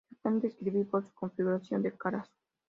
Se pueden describir por su configuración de caras.